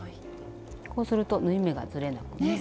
こうすると縫い目がずれなくて。